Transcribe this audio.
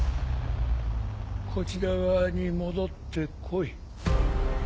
こちら側に戻って来い。